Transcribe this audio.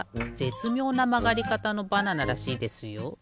つみょうなまがりかたのバナナらしいですよ。